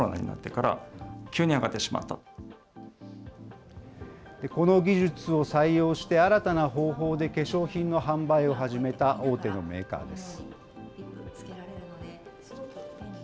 この技術を採用して新たな方法で化粧品の販売を始めた大手のメーカーです。